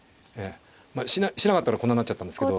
まあしなかったからこんなんなっちゃったんですけど。